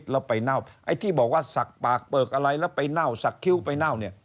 แล้วไปเน่าไอ้ที่บอกว่าสักปากเปลือกอะไรแล้วไปเน่าสักคิ้วไปเน่าเนี่ย